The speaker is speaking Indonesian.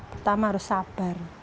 pertama harus sabar